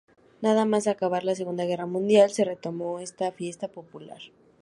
Nada más acabar la Segunda Guerra Mundial se retomó esta fiesta popular.